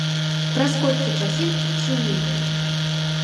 Праз колькі часін адчынілі.